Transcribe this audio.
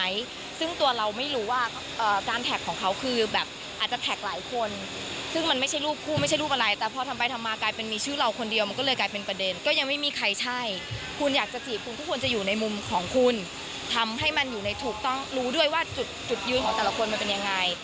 อยู่ในทุกข์ต้องรู้ด้วยว่าจุดยืนของแต่ละคนมันเป็นยังไง